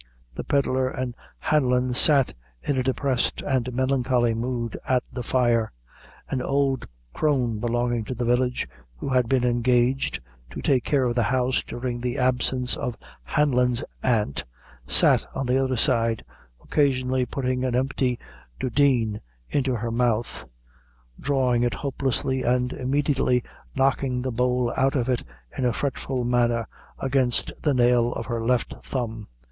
The pedlar and Hanlon sat in a depressed and melancholy mood at the fire; an old crone belonging to the village, who had been engaged to take care of the house during the absence of Hanlon's aunt, sat at the other side, occasionally putting an empty dudeen into her mouth, drawing it hopelessly, and immediately knocking the bowl of it in a fretful manner, against the nail of her left thumb.